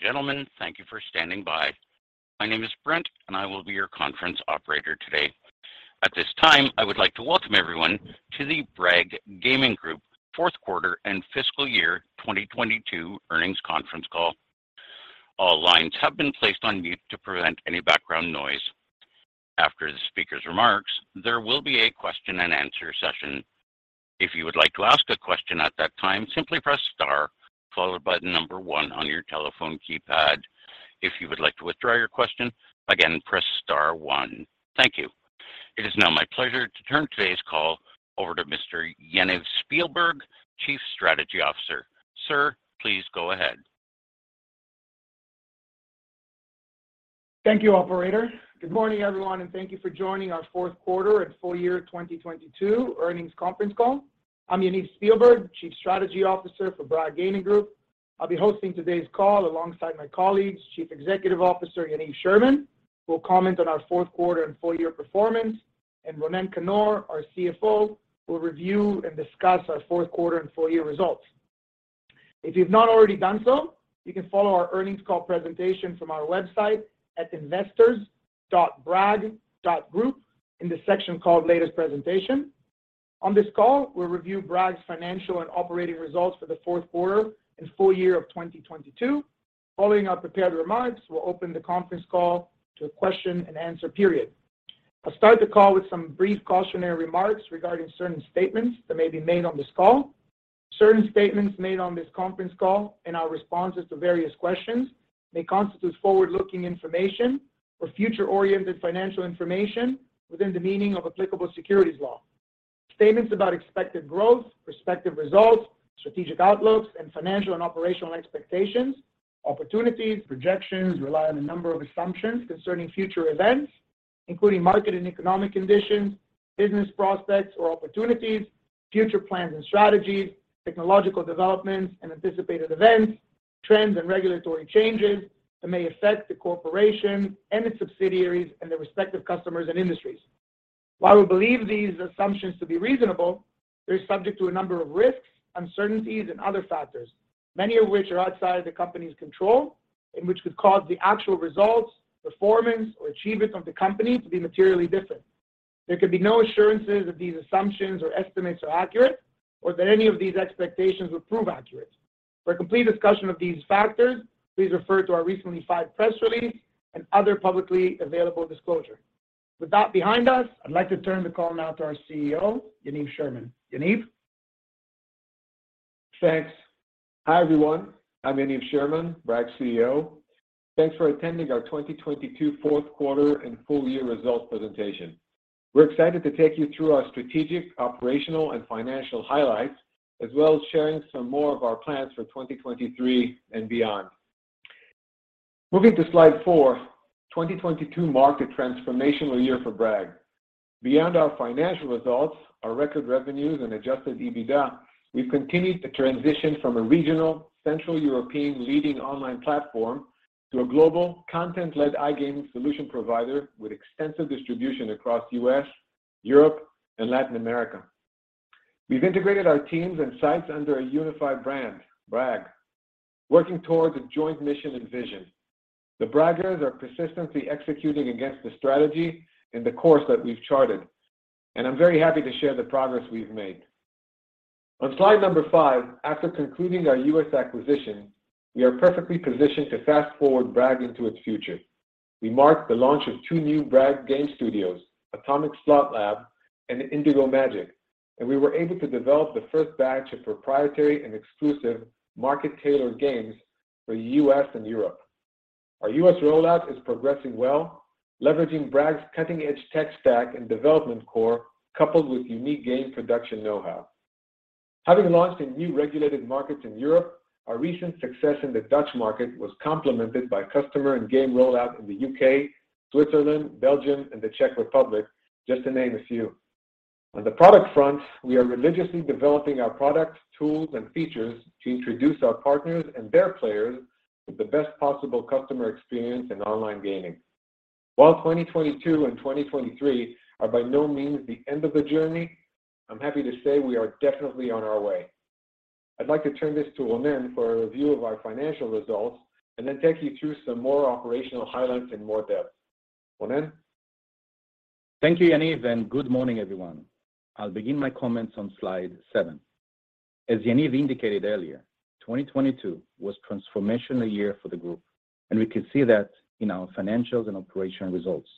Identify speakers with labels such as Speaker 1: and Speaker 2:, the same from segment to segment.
Speaker 1: Ladies and gentlemen, thank you for standing by. My name is Brent, and I will be your conference operator today. At this time, I would like to welcome everyone to the Bragg Gaming Group fourth quarter and fiscal year 2022 earnings conference call. All lines have been placed on mute to prevent any background noise. After the speaker's remarks, there will be a question and answer session. If you would like to ask a question at that time, simply press star followed by one on your telephone keypad. If you would like to withdraw your question, again, press star one. Thank you. It is now my pleasure to turn today's call over to Mr. Yaniv Spielberg, Chief Strategy Officer. Sir, please go ahead.
Speaker 2: Thank you, operator. Good morning, everyone, and thank you for joining our fourth quarter and full year 2022 earnings conference call. I'm Yaniv Spielberg, Chief Strategy Officer for Bragg Gaming Group. I'll be hosting today's call alongside my colleagues, Chief Executive Officer, Yaniv Sherman, who will comment on our fourth quarter and full year performance, and Ronen Kannor, our CFO, will review and discuss our fourth quarter and full year results. If you've not already done so, you can follow our earnings call presentation from our website at investors.bragg.group in the section called Latest Presentation. On this call, we'll review Bragg's financial and operating results for the fourth quarter and full year of 2022. Following our prepared remarks, we'll open the conference call to a question and answer period. I'll start the call with some brief cautionary remarks regarding certain statements that may be made on this call. Certain statements made on this conference call and our responses to various questions may constitute forward-looking information or future-oriented financial information within the meaning of applicable securities law. Statements about expected growth, respective results, strategic outlooks, and financial and operational expectations, opportunities, projections rely on a number of assumptions concerning future events, including market and economic conditions, business prospects or opportunities, future plans and strategies, technological developments and anticipated events, trends and regulatory changes that may affect the corporation and its subsidiaries and their respective customers and industries. While we believe these assumptions to be reasonable, they're subject to a number of risks, uncertainties, and other factors, many of which are outside of the company's control and which could cause the actual results, performance, or achievements of the company to be materially different. There can be no assurances that these assumptions or estimates are accurate or that any of these expectations would prove accurate. For a complete discussion of these factors, please refer to our recently filed press release and other publicly available disclosure. With that behind us, I'd like to turn the call now to our CEO, Yaniv Sherman. Yaniv.
Speaker 3: Thanks. Hi, everyone. I'm Yaniv Sherman, Bragg CEO. Thanks for attending our 2022 4th quarter and full year results presentation. We're excited to take you through our strategic, operational, and financial highlights, as well as sharing some more of our plans for 2023 and beyond. Moving to slide 4, 2022 marked a transformational year for Bragg. Beyond our financial results, our record revenues and Adjusted EBITDA, we've continued to transition from a regional Central European leading online platform to a global content-led iGaming solution provider with extensive distribution across U.S., Europe, and Latin America. We've integrated our teams and sites under a unified brand, Bragg, working towards a joint mission and vision. The Braggers are persistently executing against the strategy and the course that we've charted, and I'm very happy to share the progress we've made. On slide number 5, after concluding our U.S. acquisition, we are perfectly positioned to fast-forward Bragg into its future. We marked the launch of two new Bragg game studios, Atomic Slot Lab and Indigo Magic, and we were able to develop the first batch of proprietary and exclusive market-tailored games for U.S. and Europe. Our U.S. rollout is progressing well, leveraging Bragg's cutting-edge tech stack and development core, coupled with unique game production know-how. Having launched in new regulated markets in Europe, our recent success in the Dutch market was complemented by customer and game rollout in the U.K., Switzerland, Belgium, and the Czech Republic, just to name a few. On the product front, we are religiously developing our products, tools, and features to introduce our partners and their players with the best possible customer experience in iGaming. While 2022 and 2023 are by no means the end of the journey, I'm happy to say we are definitely on our way. I'd like to turn this to Ronen for a review of our financial results and then take you through some more operational highlights in more depth. Ronen.
Speaker 4: Thank you, Yaniv, good morning, everyone. I'll begin my comments on slide 7. As Yaniv indicated earlier, 2022 was a transformational year for the group, and we can see that in our financials and operational results.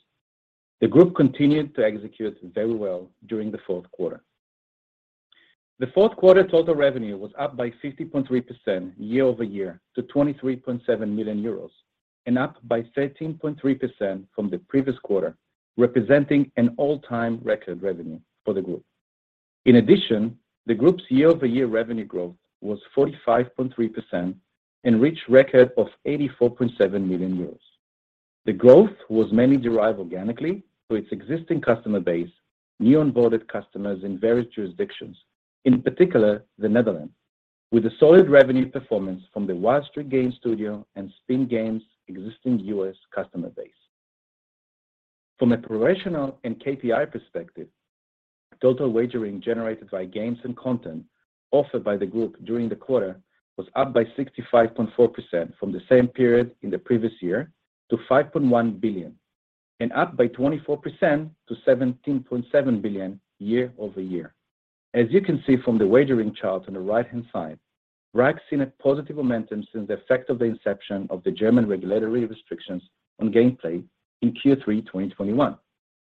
Speaker 4: The group continued to execute very well during the fourth quarter. The fourth quarter total revenue was up by 50.3% year-over-year to 23.7 million euros and up by 13.3% from the previous quarter, representing an all-time record revenue for the group. In addition, the group's year-over-year revenue growth was 45.3% and reached record of 84.7 million euros. The growth was mainly derived organically through its existing customer base, new onboarded customers in various jurisdictions, in particular the Netherlands, with a solid revenue performance from the Wild Streak Gaming and Spin Games existing U.S. customer base. From a professional and KPI perspective, total wagering generated by games and content offered by the group during the quarter was up by 65.4% from the same period in the previous year to 5.1 billion, and up by 24% to 17.7 billion year-over-year. As you can see from the wagering chart on the right-hand side, Bragg has seen a positive momentum since the effect of the inception of the German regulatory restrictions on gameplay in Q3 2021,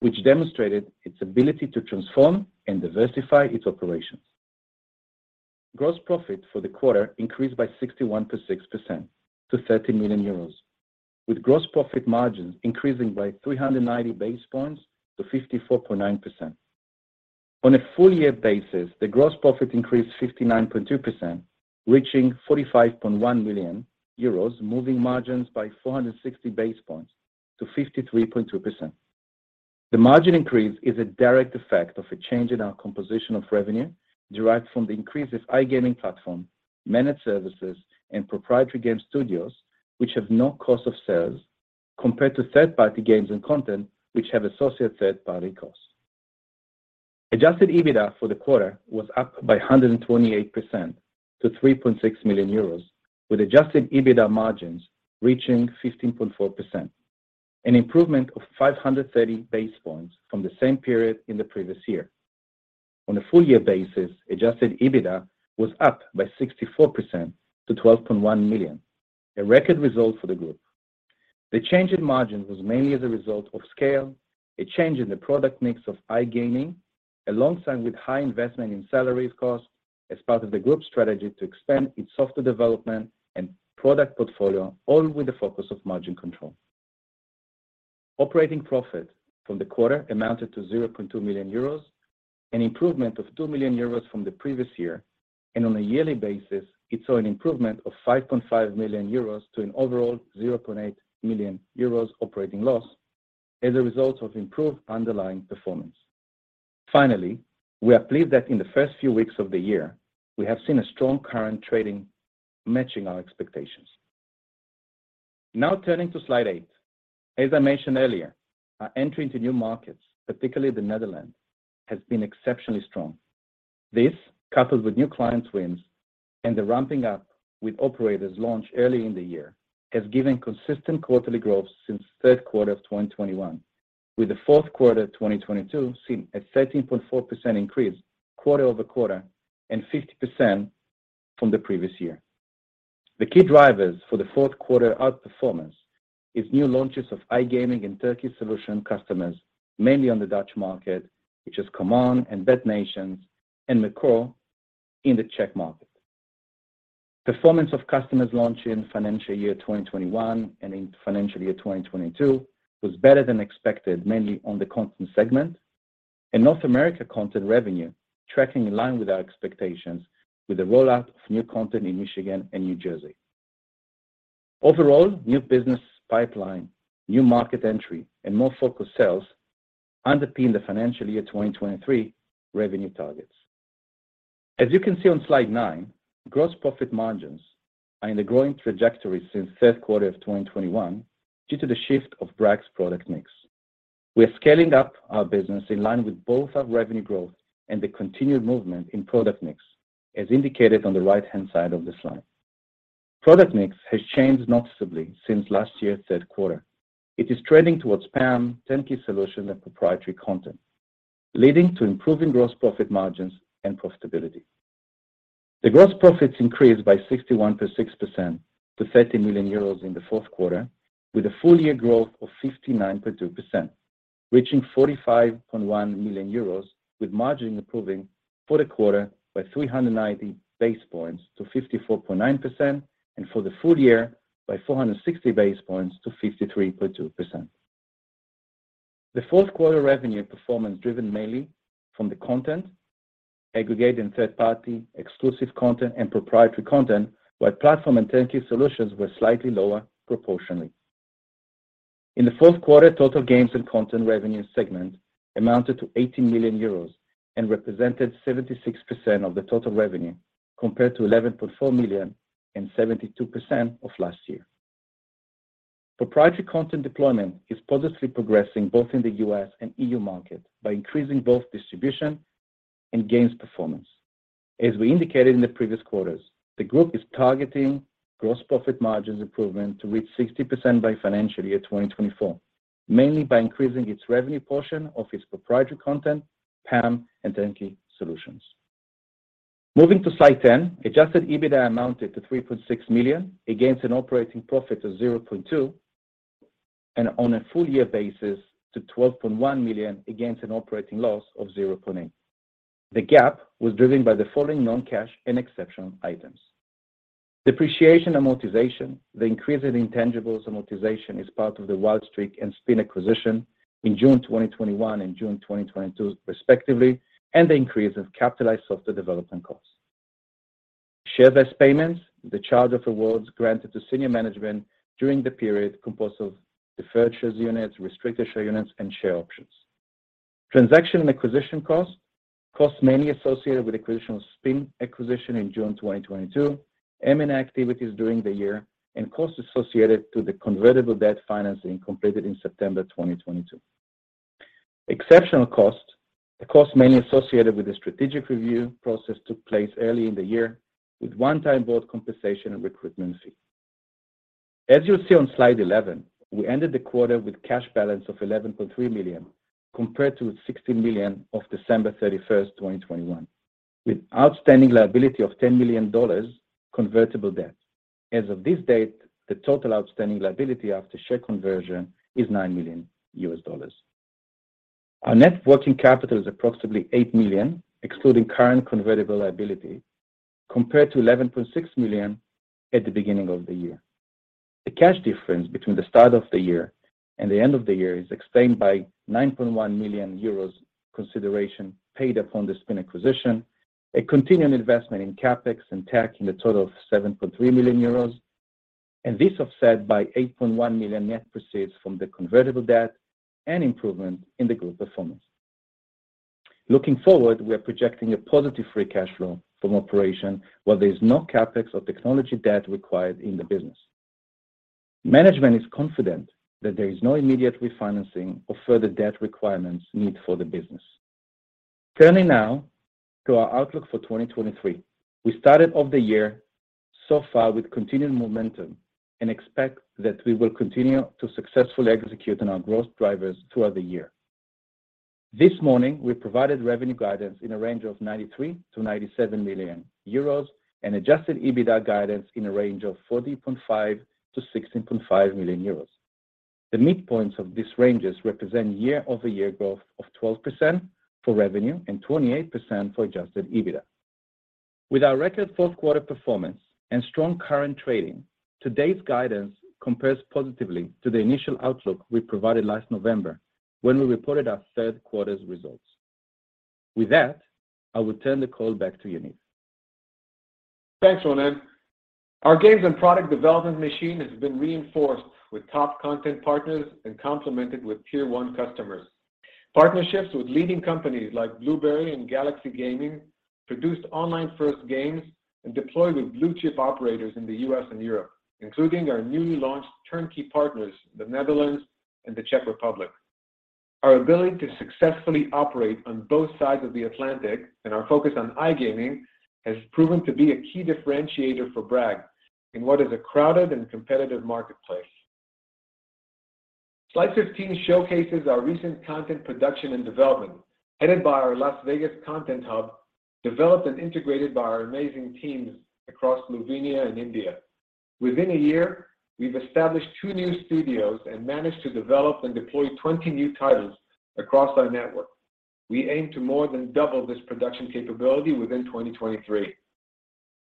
Speaker 4: which demonstrated its ability to transform and diversify its operations. Gross profit for the quarter increased by 61.6% to 30 million euros, with gross profit margins increasing by 390 basis points to 54.9%. On a full-year basis, the gross profit increased 59.2%, reaching 45.1 million euros, moving margins by 460 basis points to 53.2%. The margin increase is a direct effect of a change in our composition of revenue derived from the increase of iGaming platform, managed services and proprietary game studios, which have no cost of sales, compared to third-party games and content which have associate third-party costs. Adjusted EBITDA for the quarter was up by 128% to 3.6 million euros, with Adjusted EBITDA margins reaching 15.4%, an improvement of 530 basis points from the same period in the previous year. On a full year basis, Adjusted EBITDA was up by 64% to 12.1 million, a record result for the group. The change in margin was mainly as a result of scale, a change in the product mix of iGaming, alongside with high investment in salaries cost as part of the group's strategy to expand its software development and product portfolio, all with the focus of margin control. Operating profit from the quarter amounted to 0.2 million euros, an improvement of 2 million euros from the previous year. On a yearly basis, it saw an improvement of 5.5 million euros to an overall 0.8 million euros operating loss as a result of improved underlying performance. Finally, we are pleased that in the first few weeks of the year, we have seen a strong current trading matching our expectations. Turning to slide 8. As I mentioned earlier, our entry into new markets, particularly the Netherlands, has been exceptionally strong. This, coupled with new client wins and the ramping up with operators launched early in the year, has given consistent quarterly growth since third quarter of 2021, with the fourth quarter 2022 seeing a 13.4% increase quarter-over-quarter and 50% from the previous year. The key drivers for the fourth quarter outperformance is new launches of iGaming and turnkey solution customers, mainly on the Dutch market, which is ComeOn and Bet Nation, and Macao in the Czech market. Performance of customers launched in financial year 2021 and in financial year 2022 was better than expected, mainly on the content segment, and North America content revenue tracking in line with our expectations with the rollout of new content in Michigan and New Jersey. Overall, new business pipeline, new market entry, and more focused sales underpin the financial year 2023 revenue targets. As you can see on slide 9, gross profit margins are in the growing trajectory since third quarter of 2021 due to the shift of Bragg's product mix. We are scaling up our business in line with both our revenue growth and the continued movement in product mix, as indicated on the right-hand side of the slide. Product mix has changed noticeably since last year, third quarter. It is trending towards PAM, turnkey solution and proprietary content, leading to improving gross profit margins and profitability. The gross profits increased by 61.6% to 30 million euros in the fourth quarter, with a full year growth of 59.2%, reaching 45.1 million euros, with margin improving for the quarter by 390 basis points to 54.9%, and for the full year by 460 basis points to 53.2%. The fourth quarter revenue performance driven mainly from the content, aggregate and third-party exclusive content and proprietary content, while platform and turnkey solutions were slightly lower proportionally. In the fourth quarter, total games and content revenue segment amounted to 80 million euros and represented 76% of the total revenue, compared to 11.4 million and 72% of last year. Proprietary content deployment is positively progressing both in the U.S. and E.U. market by increasing both distribution and games performance. As we indicated in the previous quarters, the group is targeting gross profit margins improvement to reach 60% by financial year 2024, mainly by increasing its revenue portion of its proprietary content, PAM, and turnkey solutions. Moving to slide 10, Adjusted EBITDA amounted to 3.6 million against an operating profit of 0.2, and on a full year basis to 12.1 million against an operating loss of 0.8. The gap was driven by the following non-cash and exceptional items. Depreciation amortization. The increase in intangibles amortization is part of the Wild Streak and Spin acquisition in June 2021 and June 2022 respectively, and the increase of capitalized software development costs. Share-based payments. The charge of awards granted to senior management during the period composed of deferred shares units, restricted share units, and share options. Transaction and acquisition costs. Costs mainly associated with acquisition of Spin acquisition in June 2022, M and A activities during the year, and costs associated to the convertible debt financing completed in September 2022. Exceptional costs. The costs mainly associated with the strategic review process took place early in the year, with one-time board compensation and recruitment fee. As you'll see on slide 11, we ended the quarter with cash balance of $11.3 million compared to $60 million of December 31, 2021, with outstanding liability of $10 million convertible debt. As of this date, the total outstanding liability after share conversion is $9 million. Our net working capital is approximately $8 million, excluding current convertible liability, compared to $11.6 million at the beginning of the year. The cash difference between the start of the year and the end of the year is explained by 9.1 million euros consideration paid upon the Spin acquisition, a continuing investment in CapEx and TAC in a total of 7.3 million euros, and this offset by 8.1 million net proceeds from the convertible debt and improvement in the group performance. Looking forward, we are projecting a positive free cash flow from operation where there is no CapEx or technology debt required in the business. Management is confident that there is no immediate refinancing or further debt requirements need for the business. Turning now to our outlook for 2023. We started off the year so far with continued momentum and expect that we will continue to successfully execute on our growth drivers throughout the year. This morning, we provided revenue guidance in a range of 93 million-97 million euros and Adjusted EBITDA guidance in a range of 40.5 million to 16.5 million euros. The midpoint of these ranges represent year-over-year growth of 12% for revenue and 28% for Adjusted EBITDA. With our record fourth quarter performance and strong current trading, today's guidance compares positively to the initial outlook we provided last November when we reported our third quarter's results. With that, I will turn the call back to Yaniv.
Speaker 3: Thanks, Ronen. Our games and product development machine has been reinforced with top content partners and complemented with tier one customers. Partnerships with leading companies like Bluberi and Galaxy Gaming produced online-first games and deployed with blue chip operators in the U.S. and Europe, including our newly launched turnkey partners, the Netherlands and the Czech Republic. Our ability to successfully operate on both sides of the Atlantic and our focus on iGaming has proven to be a key differentiator for Bragg in what is a crowded and competitive marketplace. Slide 15 showcases our recent content production and development, headed by our Las Vegas content hub, developed and integrated by our amazing teams across Slovenia and India. Within a year, we've established two new studios and managed to develop and deploy 20 new titles across our network. We aim to more than double this production capability within 2023.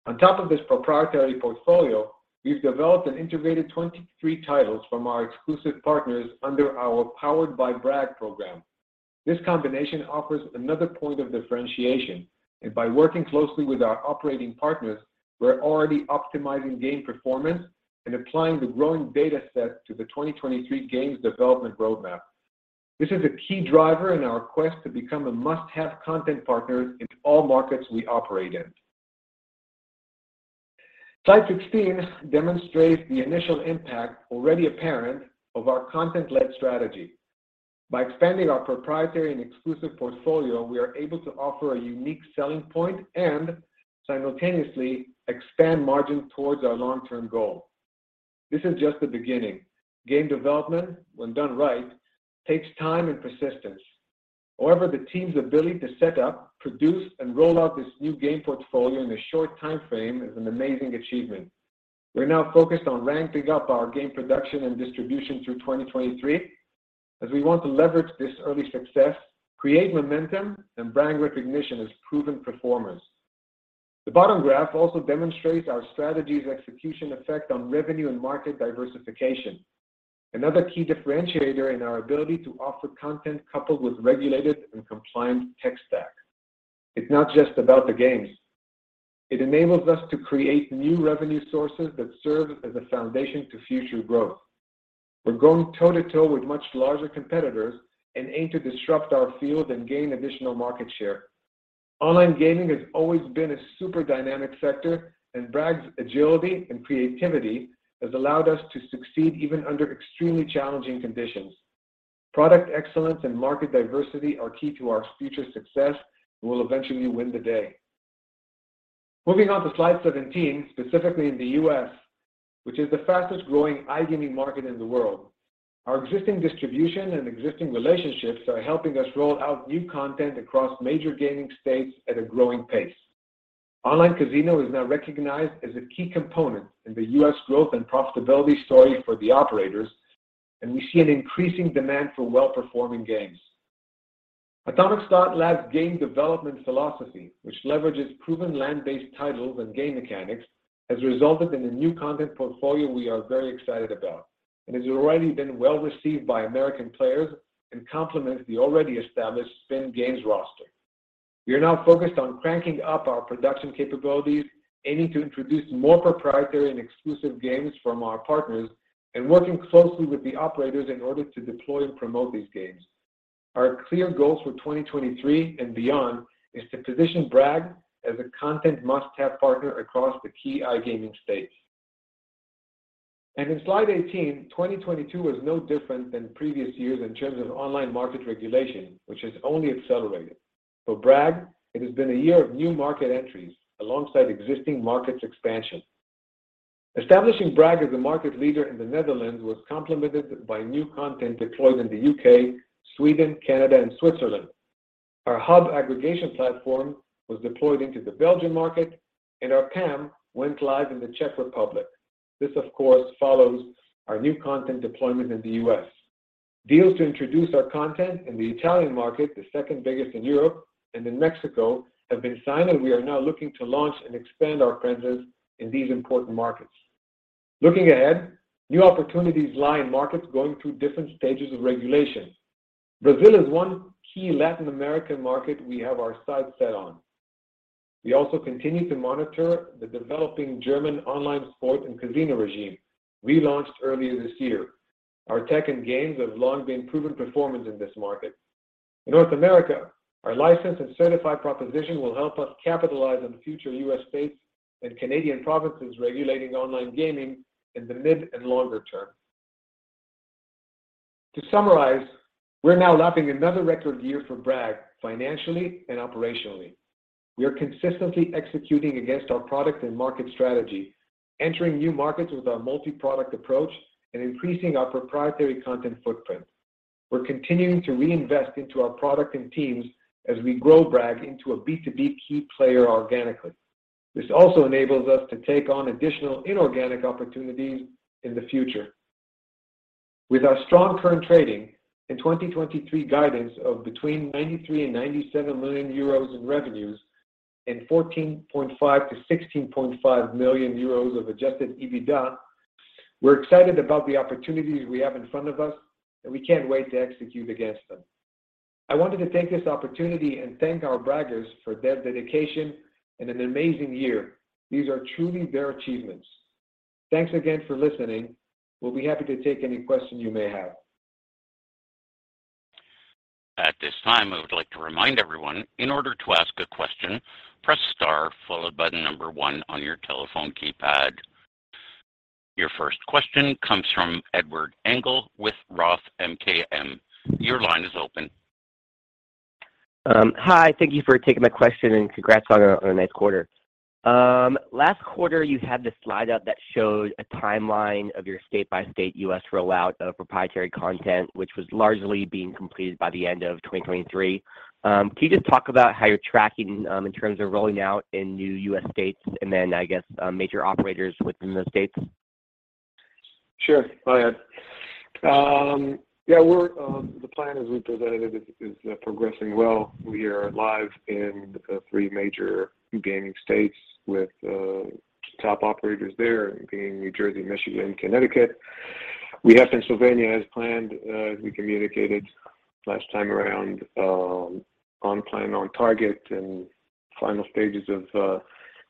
Speaker 3: On top of this proprietary portfolio, we've developed and integrated 23 titles from our exclusive partners under our Powered By Bragg program. This combination offers another point of differentiation. By working closely with our operating partners, we're already optimizing game performance and applying the growing data set to the 2023 games development roadmap. This is a key driver in our quest to become a must-have content partner into all markets we operate in. Slide 16 demonstrates the initial impact already apparent of our content-led strategy. By expanding our proprietary and exclusive portfolio, we are able to offer a unique selling point and simultaneously expand margin towards our long-term goal. This is just the beginning. Game development, when done right, takes time and persistence. However, the team's ability to set up, produce, and roll out this new game portfolio in a short time frame is an amazing achievement. We're now focused on ramping up our game production and distribution through 2023 as we want to leverage this early success, create momentum, and brand recognition as proven performers. The bottom graph also demonstrates our strategy's execution effect on revenue and market diversification. Another key differentiator in our ability to offer content coupled with regulated and compliant tech stack. It's not just about the games. It enables us to create new revenue sources that serve as a foundation to future growth. We're going toe-to-toe with much larger competitors and aim to disrupt our field and gain additional market share. iGaming has always been a super dynamic sector, and Bragg's agility and creativity has allowed us to succeed even under extremely challenging conditions. Product excellence and market diversity are key to our future success and will eventually win the day. Moving on to slide 17, specifically in the U.S., which is the fastest growing iGaming market in the world. Our existing distribution and existing relationships are helping us roll out new content across major gaming states at a growing pace. Online casino is now recognized as a key component in the U.S. growth and profitability story for the operators, and we see an increasing demand for well-performing games. Atomic Slot Lab's game development philosophy, which leverages proven land-based titles and game mechanics, has resulted in a new content portfolio we are very excited about and has already been well-received by American players and complements the already established Spin Games roster. We are now focused on cranking up our production capabilities, aiming to introduce more proprietary and exclusive games from our partners and working closely with the operators in order to deploy and promote these games. Our clear goal for 2023 and beyond is to position Bragg as a content must-have partner across the key iGaming space. In slide 18, 2022 was no different than previous years in terms of online market regulation, which has only accelerated. For Bragg, it has been a year of new market entries alongside existing markets expansion. Establishing Bragg as a market leader in the Netherlands was complemented by new content deployed in the U.K., Sweden, Canada and Switzerland. Our hub aggregation platform was deployed into the Belgian market and our PAM went live in the Czech Republic. This, of course, follows our new content deployment in the U.S. Deals to introduce our content in the Italian market, the second biggest in Europe, and in Mexico have been signed. We are now looking to launch and expand our presence in these important markets. Looking ahead, new opportunities lie in markets going through different stages of regulation. Brazil is one key Latin American market we have our sights set on. We also continue to monitor the developing German online sports and casino regime relaunched earlier this year. Our tech and games have long been proven performance in this market. In North America, our licensed and certified proposition will help us capitalize on future U.S. states and Canadian provinces regulating iGaming in the mid and longer term. To summarize, we're now lapping another record year for Bragg financially and operationally. We are consistently executing against our product and market strategy, entering new markets with our multi-product approach and increasing our proprietary content footprint. We're continuing to reinvest into our product and teams as we grow Bragg into a B2B key player organically. This also enables us to take on additional inorganic opportunities in the future. With our strong current trading and 2023 guidance of between 93 million and 97 million euros in revenues and 14.5 million to 16.5 million euros of Adjusted EBITDA, we're excited about the opportunities we have in front of us, and we can't wait to execute against them. I wanted to take this opportunity and thank our Braggers for their dedication and an amazing year. These are truly their achievements. Thanks again for listening. We'll be happy to take any questions you may have.
Speaker 1: At this time, I would like to remind everyone, in order to ask a question, press star followed by the number one on your telephone keypad. Your first question comes from Edward Engel with Roth MKM. Your line is open.
Speaker 5: Hi, thank you for taking my question and congrats on a nice quarter. Last quarter you had the slide up that showed a timeline of your state-by-state U.S. rollout of proprietary content, which was largely being completed by the end of 2023. Can you just talk about how you're tracking in terms of rolling out in new U.S. states and then I guess, major operators within those states?
Speaker 3: Sure. Go ahead. Yeah, we're, the plan as we presented it is progressing well. We are live in the three major gaming states with top operators there being New Jersey, Michigan, Connecticut. We have Pennsylvania as planned, as we communicated last time around, on plan, on target and final stages of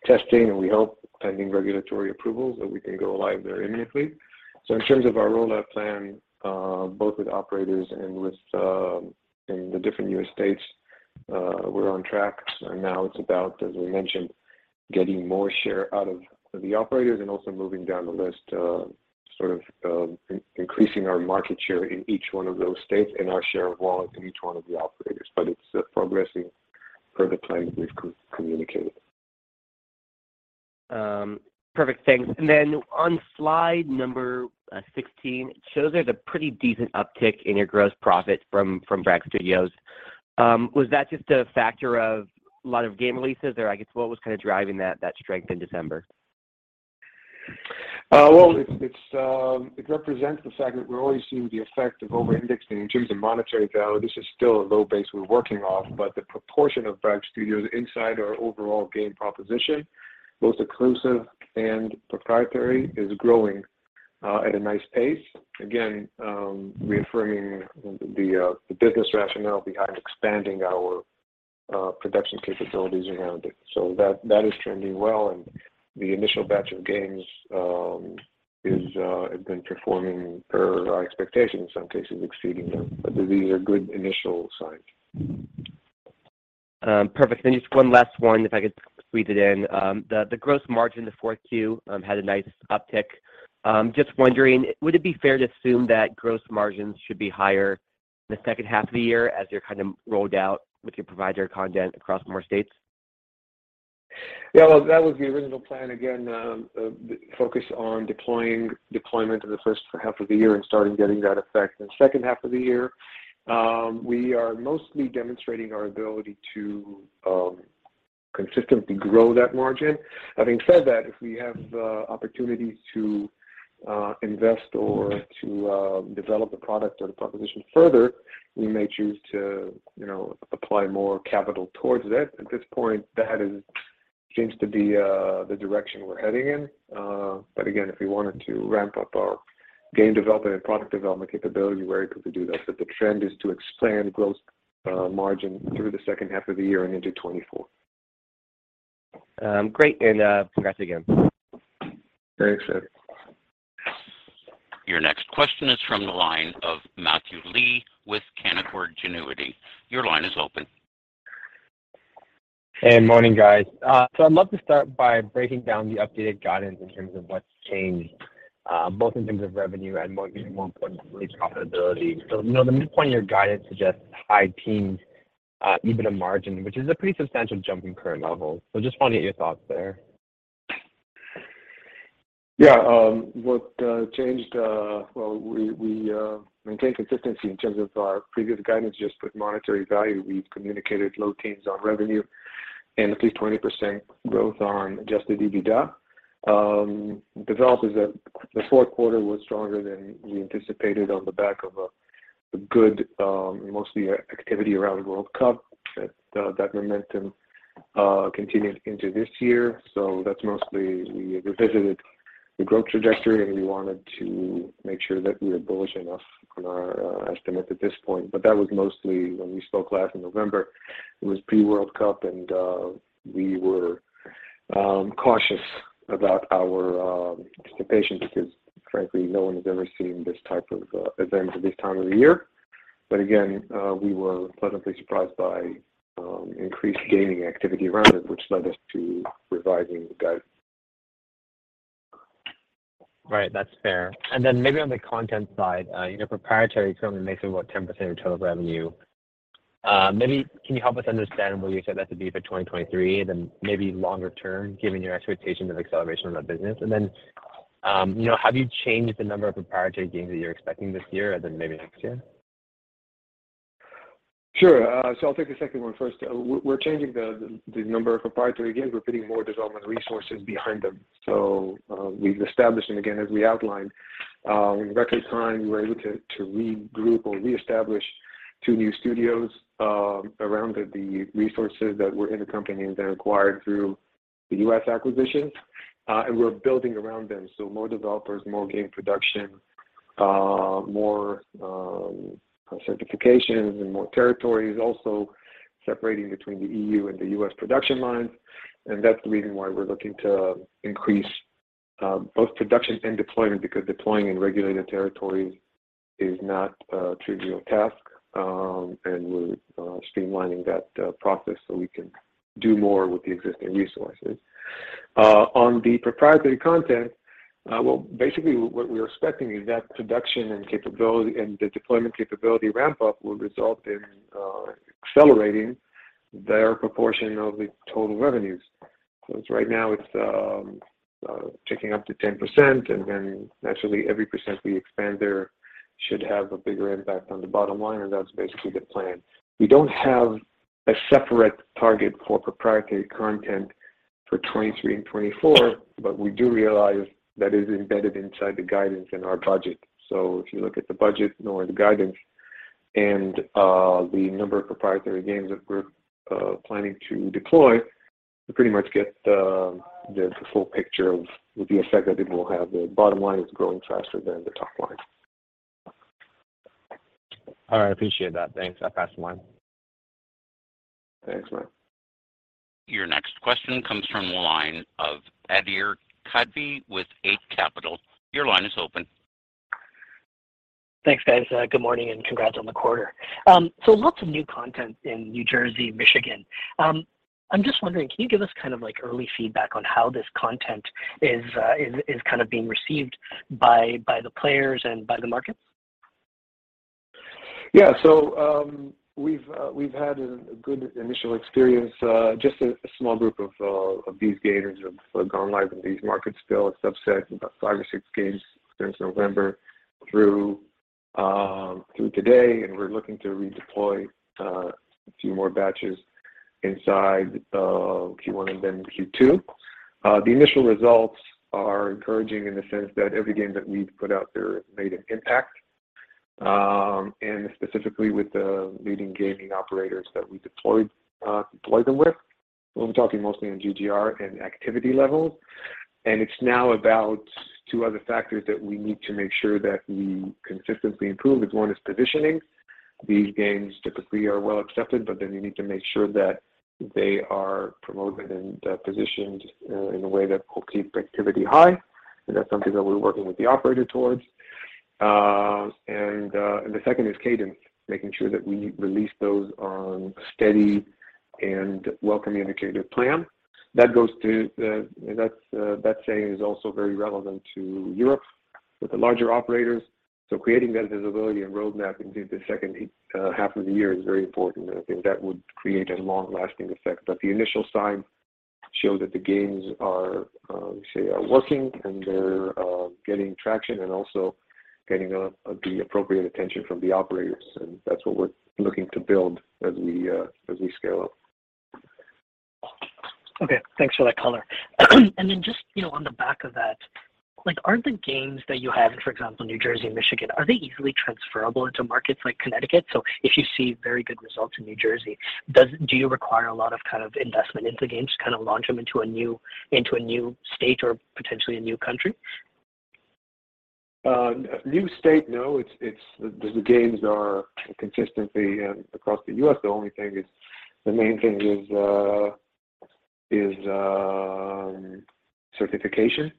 Speaker 3: testing, and we hope pending regulatory approvals that we can go live there immediately. In terms of our rollout plan, both with operators and with in the different U.S. states, we're on track. Now it's about, as we mentioned, getting more share out of the operators and also moving down the list, sort of increasing our market share in each one of those states and our share of wallet in each one of the operators. It's progressing per the plan that we've communicated.
Speaker 5: Perfect. Thanks. On slide number 16, it shows there's a pretty decent uptick in your gross profit from Bragg Studios. Was that just a factor of a lot of game releases or I guess what was kind of driving that strength in December?
Speaker 3: Well, it's, it represents the segment. We're always seeing the effect of over-indexing in terms of monetary value. This is still a low base we're working off, but the proportion of Bragg Studios inside our overall game proposition, both exclusive and proprietary, is growing at a nice pace. Again, reaffirming the business rationale behind expanding our production capabilities around it. That is trending well and the initial batch of games is has been performing per our expectations, in some cases exceeding them. These are good initial signs.
Speaker 5: Perfect. Just one last one if I could squeeze it in. The gross margin in the fourth Q had a nice uptick. Just wondering, would it be fair to assume that gross margins should be higher in the second half of the year as you're kind of rolled out with your provider content across more states?
Speaker 3: Yeah. Well, that was the original plan. Again, focus on deploying deployment in the first half of the year and starting getting that effect in the second half of the year. We are mostly demonstrating our ability to consistently grow that margin. Having said that, if we have opportunities to invest or to develop the product or the proposition further, we may choose to, you know, apply more capital towards it. At this point, that is Seems to be the direction we're heading in. Again, if we wanted to ramp up our game development and product development capability, we're able to do that. The trend is to expand growth margin through the second half of the year and into 2024.
Speaker 6: Great. congrats again.
Speaker 3: Thanks.
Speaker 1: Your next question is from the line of Matthew Lee with Canaccord Genuity. Your line is open.
Speaker 6: Hey, morning guys. I'd love to start by breaking down the updated guidance in terms of what's changed, both in terms of revenue and more importantly, profitability. You know, the midpoint of your guidance suggests high teens EBITDA margin, which is a pretty substantial jump in current levels. Just want to get your thoughts there.
Speaker 3: Yeah. What changed? Well, we maintain consistency in terms of our previous guidance, just with monetary value. We've communicated low teens on revenue and at least 20% growth on Adjusted EBITDA. Developers at the fourth quarter was stronger than we anticipated on the back of a good, mostly activity around World Cup. That momentum continued into this year. That's mostly we revisited the growth trajectory, and we wanted to make sure that we were bullish enough on our estimate at this point. That was mostly when we spoke last in November. It was pre-World Cup, and we were cautious about our expectations because frankly, no one has ever seen this type of event at this time of the year. Again, we were pleasantly surprised by increased gaming activity around it, which led us to revising guidance.
Speaker 6: Right. That's fair. Then maybe on the content side, you know, proprietary currently makes up about 10% of total revenue. Maybe can you help us understand where you set that to be for 2023, then maybe longer term, given your expectations of acceleration of that business? Then, you know, have you changed the number of proprietary games that you're expecting this year and then maybe next year?
Speaker 3: Sure. I'll take the second one first. We're changing the number of proprietary games. We're putting more development resources behind them. We've established, and again, as we outlined, in record time, we were able to regroup or reestablish two new studios around the resources that were in the company that acquired through the U.S. acquisitions. We're building around them. More developers, more game production, more certifications and more territories also separating between the EU and the U.S. production lines. That's the reason why we're looking to increase both production and deployment, because deploying in regulated territories is not a trivial task. We're streamlining that process so we can do more with the existing resources. On the proprietary content, well, basically what we are expecting is that production and capability and the deployment capability ramp up will result in accelerating their proportion of the total revenues. Right now it's ticking up to 10%, and then naturally every percent we expand there should have a bigger impact on the bottom line, and that's basically the plan. We don't have a separate target for proprietary content for 2023 and 2024, but we do realize that is embedded inside the guidance in our budget. If you look at the budget, know the guidance and the number of proprietary games that we're planning to deploy, you pretty much get the full picture of the effect that it will have. The bottom line is growing faster than the top line.
Speaker 6: All right. I appreciate that. Thanks. I pass the line.
Speaker 3: Thanks, Matt.
Speaker 1: Your next question comes from the line of Adhir Kadve with Eighth Capital. Your line is open.
Speaker 7: Thanks, guys. Good morning and congrats on the quarter. Lots of new content in New Jersey, Michigan. I'm just wondering, can you give us kind of like early feedback on how this content is kind of being received by the players and by the markets?
Speaker 3: Yeah. We've had a good initial experience. Just a small group of these games have gone live in these markets still. It's subset about 5 or 6 games since November through today. We're looking to redeploy a few more batches inside Q1 and then Q2. The initial results are encouraging in the sense that every game that we've put out there made an impact, and specifically with the leading gaming operators that we deployed them with. I'm talking mostly on GGR and activity levels. It's now about 2 other factors that we need to make sure that we consistently improve, is one is positioning. These games typically are well accepted. You need to make sure that they are promoted and positioned in a way that will keep activity high. That's something that we're working with the operator towards. The second is cadence, making sure that we release those on a steady and well-communicated plan. That saying is also very relevant to Europe with the larger operators. Creating that visibility and roadmap into the second half of the year is very important. I think that would create a long-lasting effect. The initial signs show that the games are working and they're getting traction and also getting the appropriate attention from the operators. That's what we're looking to build as we scale up.
Speaker 7: Okay. Thanks for that color. Just, you know, on the back of that, like are the games that you have, for example, in New Jersey and Michigan, are they easily transferable into markets like Connecticut? If you see very good results in New Jersey, do you require a lot of kind of investment into games to kind of launch them into a new, into a new state or potentially a new country?
Speaker 3: New state, no. It's the games are consistently across the U.S. The main thing is certification,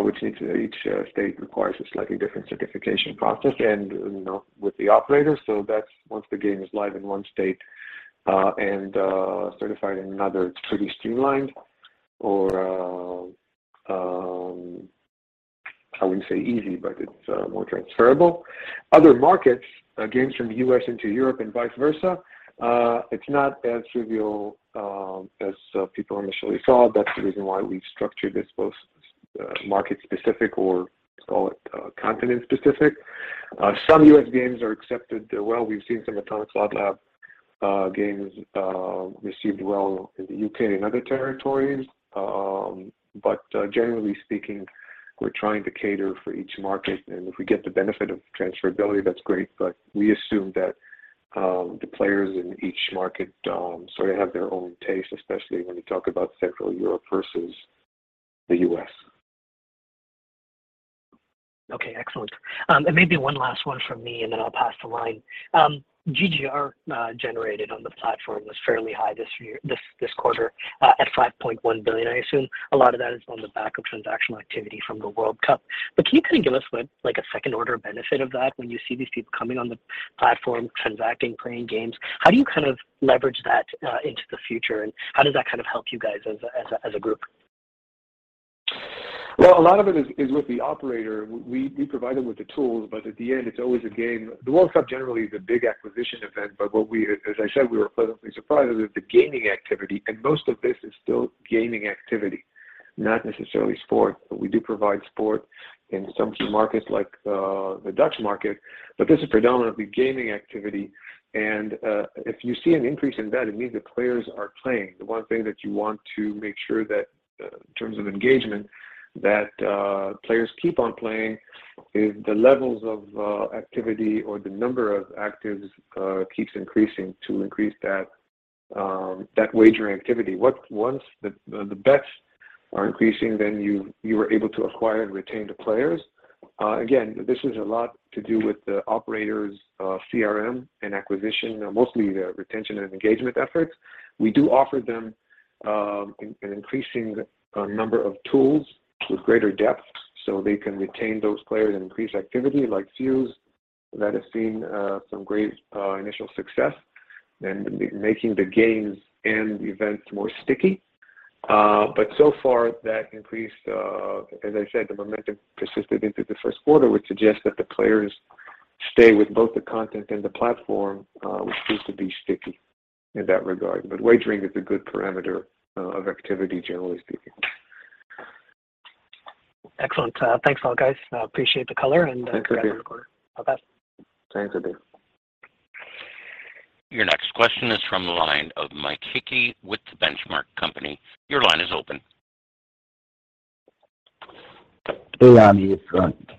Speaker 3: which needs to each state requires a slightly different certification process and, you know, with the operators. That's once the game is live in one state and certified in another, it's pretty streamlined or I wouldn't say easy, but it's more transferable. Other markets, games from the U.S. into Europe and vice versa, it's not as trivial as people initially saw. That's the reason why we've structured this both market-specific or call it continent-specific. Some U.S. games are accepted. Well, we've seen some Atomic Slot Lab games received well in the U.K. and other territories. Generally speaking, we're trying to cater for each market, and if we get the benefit of transferability, that's great. We assume that the players in each market sort of have their own taste, especially when you talk about Central Europe versus the U.S.
Speaker 7: Okay, excellent. And maybe one last one from me, and then I'll pass the line. GGR generated on the platform was fairly high this year, this quarter, at $5.1 billion. I assume a lot of that is on the back of transactional activity from the World Cup. But can you kind of give us what, like a second order benefit of that when you see these people coming on the platform, transacting, playing games? How do you kind of leverage that into the future, and how does that kind of help you guys as a group?
Speaker 3: Well, a lot of it is with the operator. We provide them with the tools, but at the end it's always a game. The World Cup generally is a big acquisition event. What we, as I said, we were pleasantly surprised is the gaming activity. Most of this is still gaming activity, not necessarily sport. We do provide sport in some key markets like the Dutch market. This is predominantly gaming activity. If you see an increase in bet, it means the players are playing. The one thing that you want to make sure that in terms of engagement that players keep on playing is the levels of activity or the number of actives keeps increasing to increase that wagering activity. Once the bets are increasing, you were able to acquire and retain the players. Again, this is a lot to do with the operators' CRM and acquisition. Mostly their retention and engagement efforts. We do offer them an increasing number of tools with greater depth so they can retain those players and increase activity like Fuze that have seen some great initial success in making the games and events more sticky. So far that increase, as I said, the momentum persisted into the first quarter, which suggests that the players stay with both the content and the platform, which proves to be sticky in that regard. Wagering is a good parameter of activity, generally speaking.
Speaker 7: Excellent. Thanks a lot guys. I appreciate the color.
Speaker 3: Thanks, Adhir.
Speaker 7: the guidance for the quarter. Bye-bye.
Speaker 3: Thanks, Adhir.
Speaker 1: Your next question is from the line of Mike Hickey with The Benchmark Company. Your line is open.
Speaker 8: Hey, Yaniv.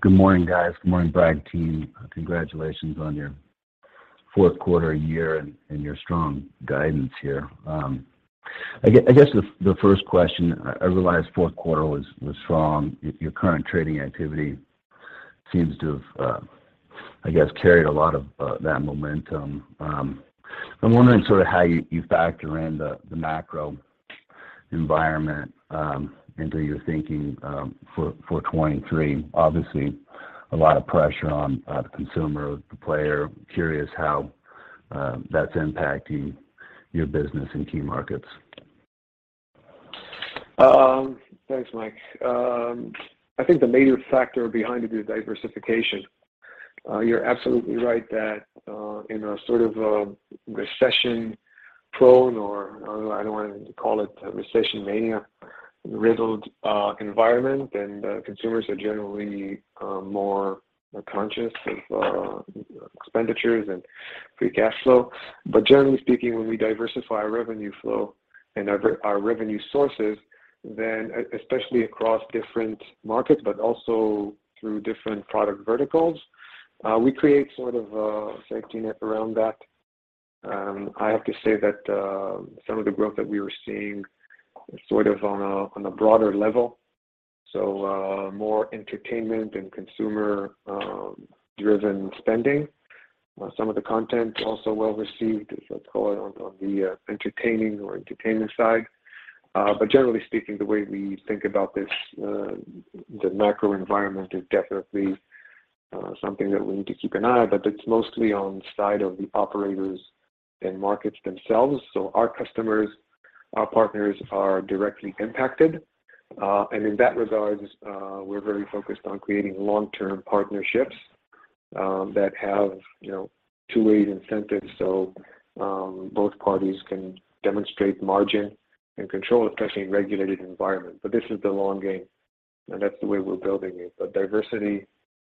Speaker 8: Good morning, guys. Good morning, Bragg team. Congratulations on your fourth quarter year and your strong guidance here. I guess the first question, I realize fourth quarter was strong. Your current trading activity seems to have, I guess, carried a lot of that momentum. I'm wondering sort of how you factor in the macro environment into your thinking for 2023. Obviously a lot of pressure on the consumer, the player. Curious how that's impacting your business in key markets.
Speaker 3: Thanks, Mike. I think the major factor behind it is diversification. You're absolutely right that in a sort of a recession prone or I don't want to call it a recession mania riddled environment and consumers are generally more conscious of expenditures and free cash flow. Generally speaking, when we diversify our revenue flow and our revenue sources, then especially across different markets, but also through different product verticals, we create sort of a safety net around that. I have to say that some of the growth that we were seeing sort of on a broader level, so more entertainment and consumer driven spending. Some of the content also well received is, let's call it on the entertaining or entertainment side. Generally speaking, the way we think about this, the macro environment is definitely something that we need to keep an eye on, but it's mostly on the side of the operators and markets themselves. Our customers, our partners are directly impacted. In that regards, we're very focused on creating long-term partnerships that have, you know, two-way incentives so both parties can demonstrate margin and control, especially in regulated environment. This is the long game and that's the way we're building it. Diversity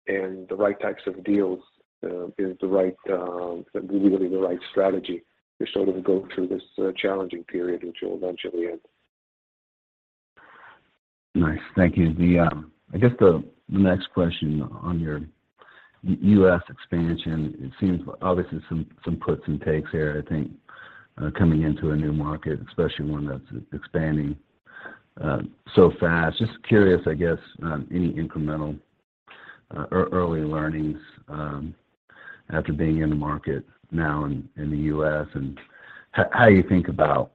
Speaker 3: and the right types of deals is the right, really the right strategy to sort of go through this challenging period, which will eventually end.
Speaker 8: Nice. Thank you. The, I guess the next question on your U.S. expansion, it seems obviously some puts and takes here, I think, coming into a new market, especially one that's expanding so fast. Just curious, I guess, any incremental early learnings after being in the market now in the U.S. and how you think about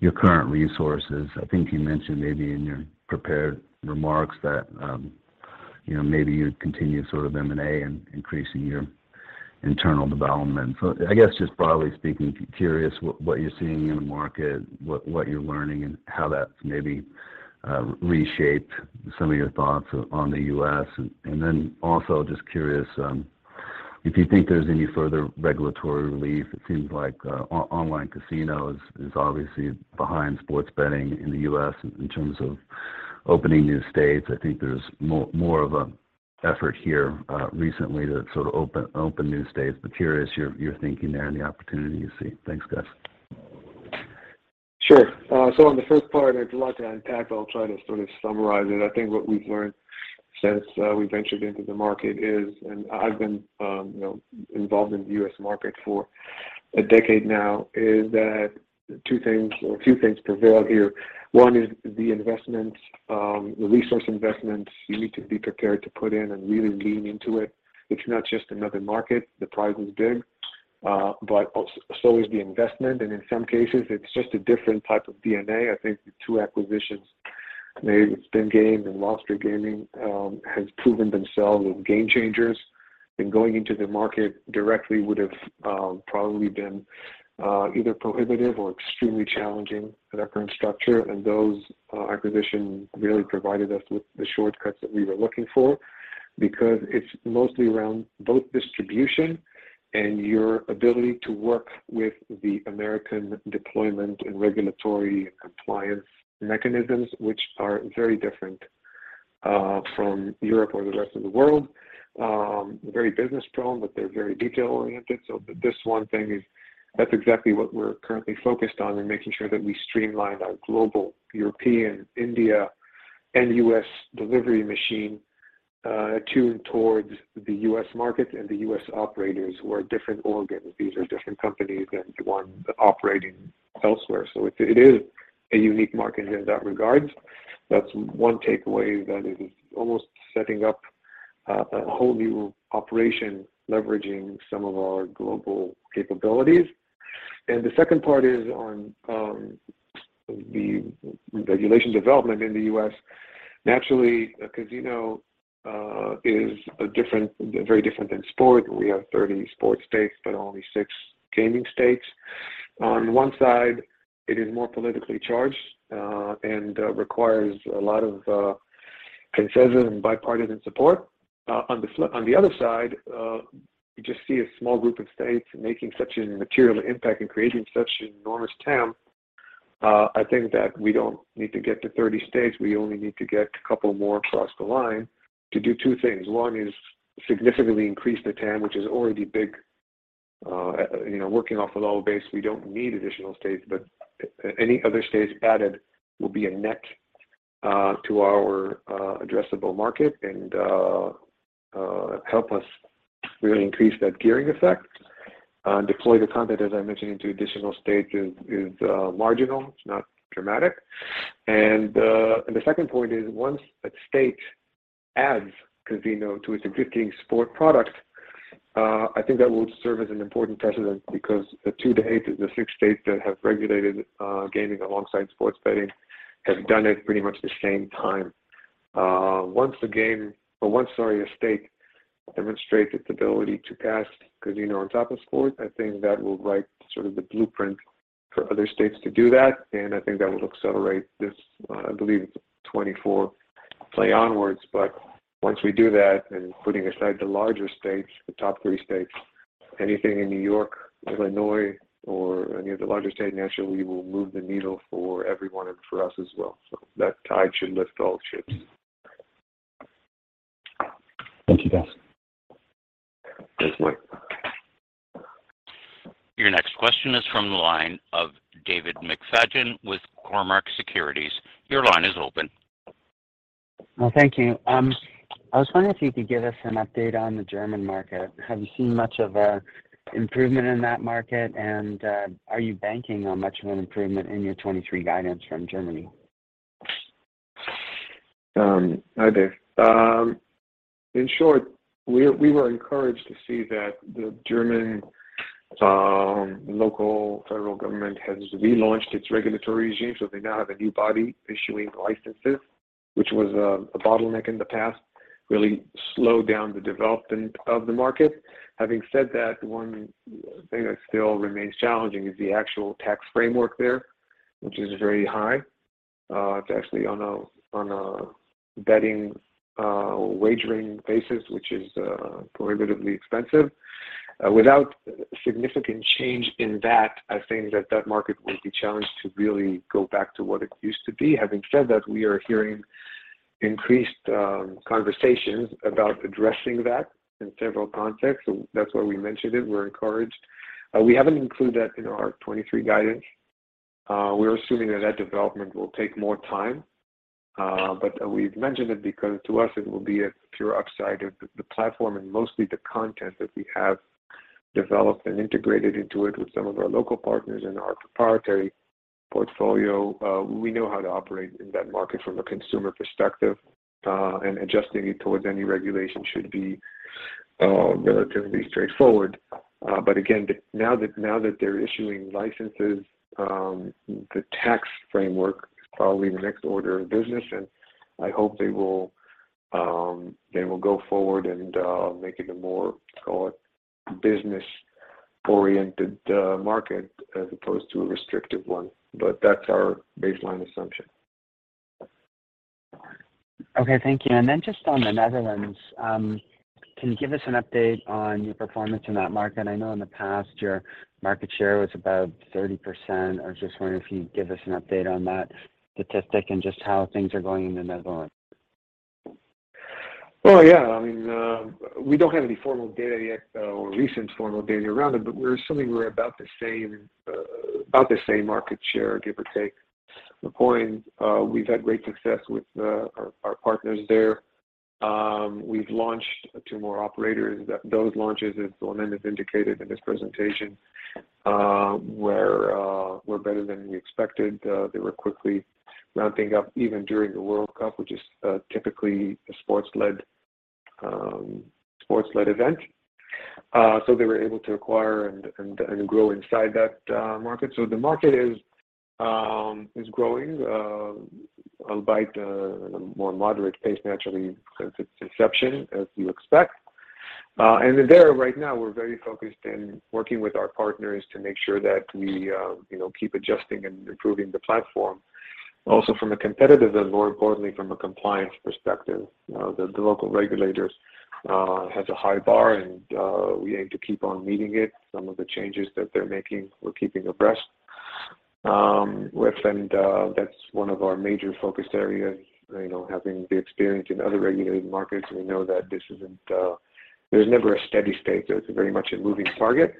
Speaker 8: your current resources. I think you mentioned maybe in your prepared remarks that, you know, maybe you'd continue sort of M&A and increasing your internal development. I guess just broadly speaking, curious what you're seeing in the market, what you're learning and how that's maybe reshaped some of your thoughts on the U.S. Then also just curious, if you think there's any further regulatory relief. It seems like online casinos is obviously behind sports betting in the U.S. in terms of opening new states. I think there's more of an effort here recently to sort of open new states. Curious your thinking there and the opportunity you see. Thanks, Yaniv.
Speaker 3: Sure. On the first part, there's a lot to unpack. I'll try to sort of summarize it. I think what we've learned since we ventured into the market is, and I've been, you know, involved in the U.S. market for a decade now, is that two things or a few things prevail here. One is the investment, the resource investment you need to be prepared to put in and really lean into it. It's not just another market. The prize is big, but so is the investment. In some cases it's just a different type of DNA. I think the two acquisitions made with Spin Games and Wild Streak Gaming has proven themselves with game changers. Going into the market directly would've probably been either prohibitive or extremely challenging at our current structure. Those acquisitions really provided us with the shortcuts that we were looking for because it's mostly around both distribution and your ability to work with the American deployment and regulatory compliance mechanisms, which are very different from Europe or the rest of the world. Very business prone, but they're very detail-oriented. This one thing is that's exactly what we're currently focused on and making sure that we streamline our global European, India and U.S. delivery machine, tuned towards the U.S. market and the U.S. operators who are different organs. These are different companies than the ones operating elsewhere. It is a unique market in that regard. That's one takeaway that it is almost setting up a whole new operation leveraging some of our global capabilities. The second part is on the regulation development in the U.S. Naturally, a casino is very different than sport. We have 30 sports states, but only 6 gaming states. On one side it is more politically charged, and requires a lot of consensus and bipartisan support. On the other side, you just see a small group of states making such a material impact and creating such an enormous TAM. I think that we don't need to get to 30 states. We only need to get a couple more across the line to do 2 things. One is significantly increase the TAM, which is already big. You know, working off a low base, we don't need additional states, but any other states added will be a net to our addressable market and help us really increase that gearing effect. Deploy the content, as I mentioned, into additional states is marginal. It's not dramatic. The second point is once a state adds casino to its existing sport product, I think that will serve as an important precedent because the 2-8, the 6 states that have regulated gaming alongside sports betting have done it pretty much the same time. Once the game or once, sorry, a state demonstrates its ability to pass casino on top of sport, I think that will write sort of the blueprint for other states to do that. I think that will accelerate this, I believe it's 2024 play onwards. Once we do that, and putting aside the larger states, the top three states, anything in New York, Illinois or any of the larger states nationally will move the needle for everyone and for us as well. That tide should lift all ships.
Speaker 8: Thank you, guys.
Speaker 3: Thanks, Mike.
Speaker 1: Your next question is from the line of David McFadgen with Cormark Securities. Your line is open.
Speaker 9: Well, thank you. I was wondering if you could give us an update on the German market. Have you seen much of an improvement in that market? Are you banking on much of an improvement in your 23 guidance from Germany?
Speaker 3: Hi there. In short, we were encouraged to see that the German local federal government has relaunched its regulatory regime. They now have a new body issuing licenses, which was a bottleneck in the past, really slowed down the development of the market. Having said that, the one thing that still remains challenging is the actual tax framework there, which is very high. It's actually on a betting wagering basis, which is prohibitively expensive. Without significant change in that, I think that that market will be challenged to really go back to what it used to be. Having said that, we are hearing increased conversations about addressing that in several contexts. That's why we mentioned it. We're encouraged. We haven't included that in our 2023 guidance. We're assuming that that development will take more time. We've mentioned it because to us it will be a pure upside of the platform and mostly the content that we have developed and integrated into it with some of our local partners in our proprietary portfolio. We know how to operate in that market from a consumer perspective, adjusting it towards any regulation should be relatively straightforward. Again, now that they're issuing licenses, the tax framework is probably the next order of business, and I hope they will go forward and make it a more, call it business-oriented, market as opposed to a restrictive one. That's our baseline assumption.
Speaker 9: Okay, thank you. Just on the Netherlands, can you give us an update on your performance in that market? I know in the past, your market share was about 30%. I was just wondering if you'd give us an update on that statistic and just how things are going in the Netherlands.
Speaker 3: Well, yeah. I mean, we don't have any formal data yet or recent formal data around it, but we're assuming we're about the same, about the same market share, give or take. The point, we've had great success with our partners there. We've launched two more operators. Those launches, as Ronen has indicated in his presentation, were better than we expected. They were quickly ramping up even during the World Cup, which is typically a sports-led, sports-led event. They were able to acquire and grow inside that market. The market is growing, albeit a more moderate pace naturally since its inception, as you expect. There right now we're very focused in working with our partners to make sure that we, you know, keep adjusting and improving the platform also from a competitive and more importantly from a compliance perspective. You know, the local regulators has a high bar, and we aim to keep on meeting it. Some of the changes that they're making, we're keeping abreast with. That's one of our major focus areas. You know, having the experience in other regulated markets, we know that this isn't there's never a steady state. It's very much a moving target,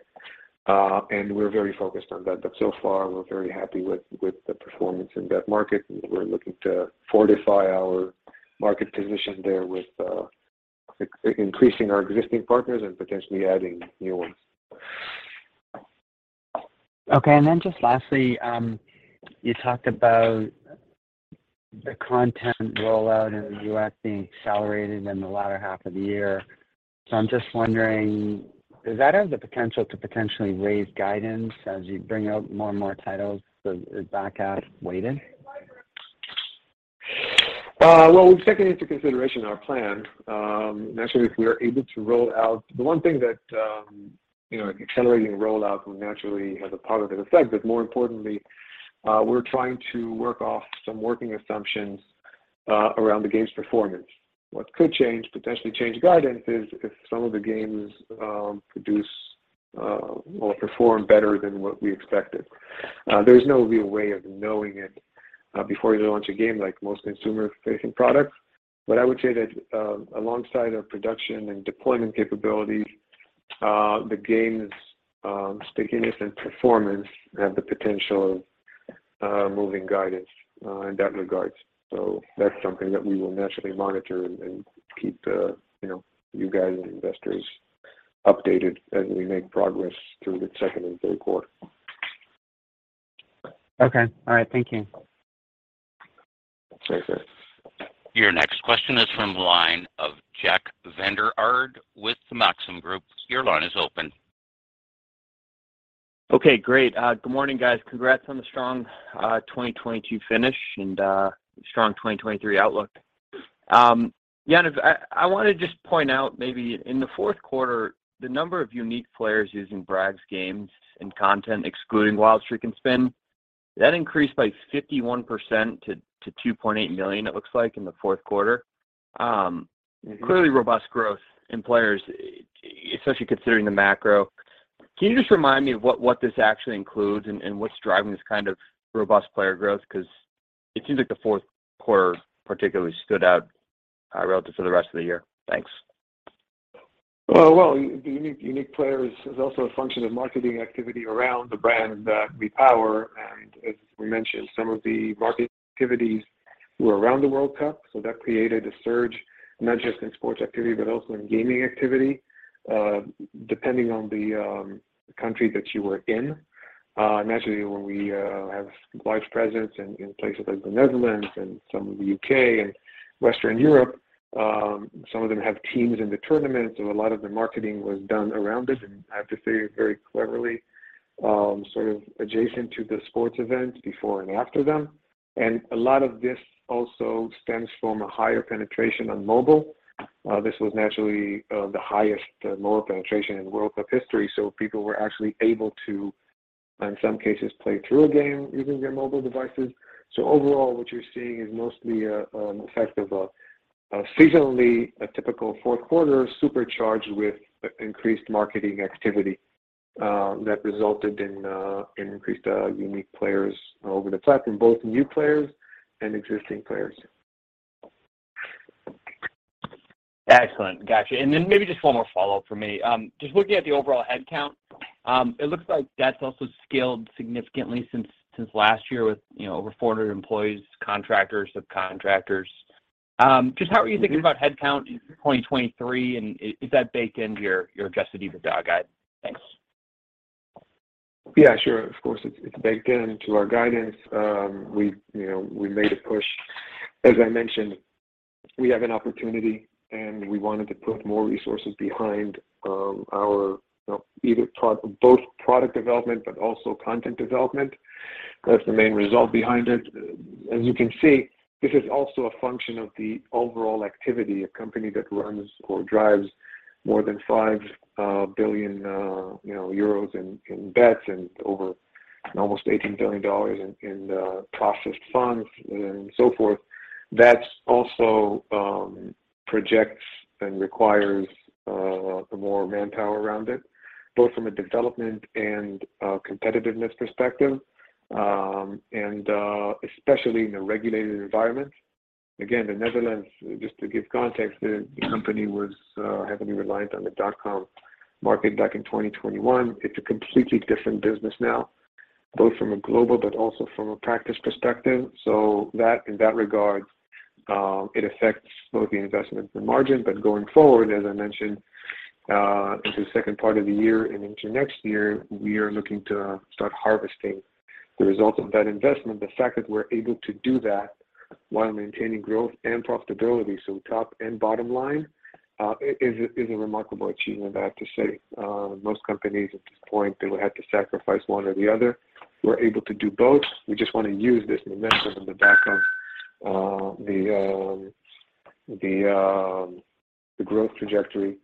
Speaker 3: and we're very focused on that. So far, we're very happy with the performance in that market. We're looking to fortify our market position there with increasing our existing partners and potentially adding new ones.
Speaker 9: Okay. Just lastly, you talked about the content rollout in the U.S. being accelerated in the latter half of the year. I'm just wondering, does that have the potential to potentially raise guidance as you bring out more and more titles that are back half weighted?
Speaker 3: Well, we've taken into consideration our plan. Naturally, if we are able to roll out. The one thing that, you know, accelerating rollout will naturally have a positive effect, but more importantly, we're trying to work off some working assumptions, around the games performance. What could change, potentially change guidance is if some of the games, produce, or perform better than what we expected. There's no real way of knowing it, before you launch a game like most consumer-facing products. I would say that, alongside our production and deployment capability, the games, stickiness and performance have the potential of, moving guidance, in that regard. That's something that we will naturally monitor and keep, you know, you guys and investors updated as we make progress through the second and third quarter.
Speaker 9: Okay. All right. Thank you.
Speaker 3: Thanks.
Speaker 1: Your next question is from the line of Jack Vander Aarde with the Maxim Group. Your line is open.
Speaker 10: Okay, great. Good morning, guys. Congrats on the strong 2022 finish and a strong 2023 outlook. I want to just point out maybe in the fourth quarter, the number of unique players using Bragg's games and content, excluding Wild Streak and Spin, that increased by 51% to 2.8 million it looks like in the fourth quarter.
Speaker 3: Mm-hmm.
Speaker 10: Clearly robust growth in players, especially considering the macro. Can you just remind me of what this actually includes and what's driving this kind of robust player growth? Because it seems like the fourth quarter particularly stood out relative to the rest of the year. Thanks.
Speaker 3: Well, the unique players is also a function of marketing activity around the brands that we power. As we mentioned, some of the market activities were around the World Cup, so that created a surge not just in sports activity, but also in gaming activity, depending on the country that you were in. Naturally, when we have large presence in places like the Netherlands and some of the U.K. and Western Europe, some of them have teams in the tournament, so a lot of the marketing was done around it, and I have to say very cleverly, sort of adjacent to the sports event before and after them. A lot of this also stems from a higher penetration on mobile. This was naturally the highest mobile penetration in World Cup history. People were actually able to. In some cases, play through a game using their mobile devices. Overall, what you're seeing is mostly a effect of a seasonally atypical fourth quarter supercharged with increased marketing activity that resulted in increased unique players over the platform, both new players and existing players.
Speaker 10: Excellent. Got you. Maybe just one more follow-up for me. just looking at the overall headcount, it looks like that's also scaled significantly since last year with, you know, over 400 employees, contractors, subcontractors. just how are you thinking about headcount in 2023, and is that baked into your Adjusted EBITDA guide? Thanks.
Speaker 3: Yeah, sure. Of course, it's baked into our guidance. We, you know, we made a push. As I mentioned, we have an opportunity, and we wanted to put more resources behind our, you know, both product development but also content development. That's the main result behind it. As you can see, this is also a function of the overall activity. A company that runs or drives more than 5 billion euros, you know, in bets and over almost $18 billion in processed funds and so forth, that's also projects and requires the more manpower around it, both from a development and a competitiveness perspective, and especially in a regulated environment. Again, the Netherlands, just to give context, the company was heavily reliant on the dotcom market back in 2021. It's a completely different business now, both from a global but also from a practice perspective. That, in that regard, it affects both the investment and margin. Going forward, as I mentioned, into the second part of the year and into next year, we are looking to start harvesting the results of that investment. The fact that we're able to do that while maintaining growth and profitability, so top and bottom line, is a remarkable achievement, I have to say. Most companies at this point, they would have to sacrifice one or the other. We're able to do both. We just wanna use this momentum and the background, the growth trajectory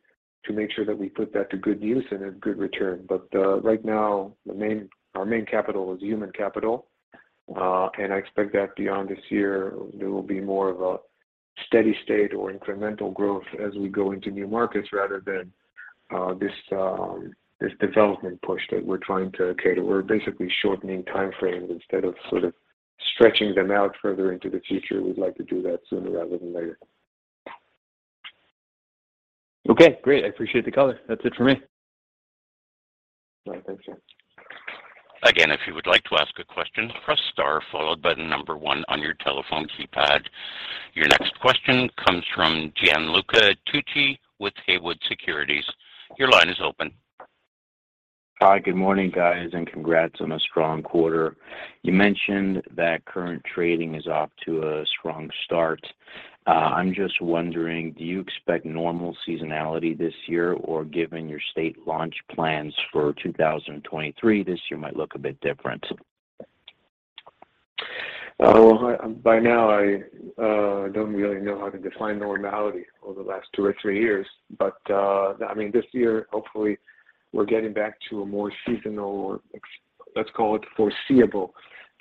Speaker 3: to make sure that we put that to good use and a good return. Right now, our main capital is human capital, and I expect that beyond this year, there will be more of a steady state or incremental growth as we go into new markets rather than this development push that we're trying to cater. We're basically shortening time frames instead of sort of stretching them out further into the future. We'd like to do that sooner rather than later.
Speaker 10: Okay, great. I appreciate the color. That's it for me.
Speaker 3: All right. Thanks, Jack.
Speaker 1: Again, if you would like to ask a question, press star followed by the 1 on your telephone keypad. Your next question comes from Gianluca Tucci with Haywood Securities. Your line is open.
Speaker 11: Hi. Good morning, guys, and congrats on a strong quarter. You mentioned that current trading is off to a strong start. I'm just wondering, do you expect normal seasonality this year, or given your state launch plans for 2023, this year might look a bit different?
Speaker 3: Well, by now, I don't really know how to define normality over the last 2 or 3 years. I mean, this year, hopefully we're getting back to a more seasonal or let's call it foreseeable